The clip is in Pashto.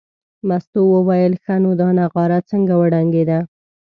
مستو وویل ښه نو دا نغاره څنګه وډنګېده.